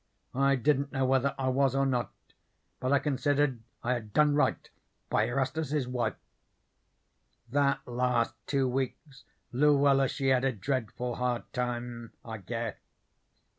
I didn't know whether I was or not, but I considered I had done right by Erastus's wife. "That last two weeks Luella she had a dreadful hard time, I guess.